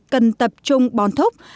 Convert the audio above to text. cần tập trung bòn thúc